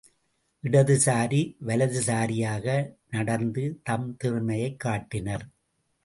இடதுசாரி வலது சாரியாக நடந்து தம் திறமையைக் காட்டினர்.